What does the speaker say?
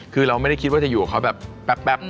คือเราไม่ได้คิดว่าจะอยู่กับเขาแบบแป๊บ